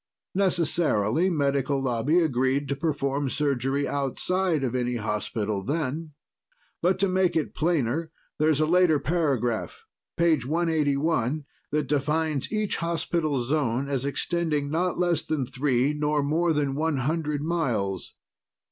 Necessarily, Medical Lobby agreed to perform surgery outside of any hospital, then. But to make it plainer, there's a later paragraph page 181 that defines each hospital zone as extending not less than three nor more than one hundred miles.